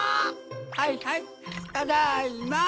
はいはいただいま！